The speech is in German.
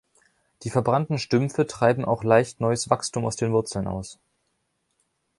Die verbrannten Stümpfe treiben auch leicht neues Wachstum aus den Wurzeln aus.